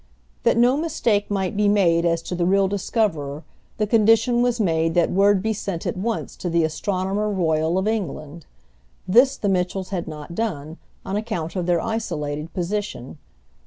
That no mistake might be made as to the real discoverer, the condition was made that word be sent at once to the Astronomer Royal of England. This the Mitchells had not done, on account of their isolated position.